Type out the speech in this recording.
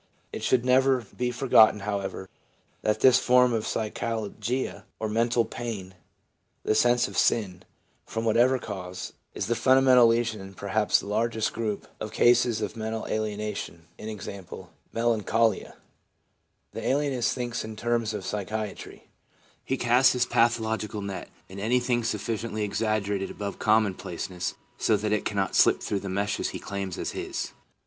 * It should never be forgotten, however, that this form of psychalgia, or mental pain (the sense of sin), from whatever cause, is the fundamental lesion in perhaps the largest group l O/>. tit., p. 354. 163 1 64 THE PSYCHOLOGY OF RELIGION of cases of mental alienation, i.e., melancholia/ The alienist thinks in terms of psychiatry. He casts his pathological net, and anything sufficiently exaggerated above commonplaceness so that it cannot slip through the meshes he claims as his.